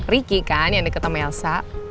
ricky kan yang deket sama elsa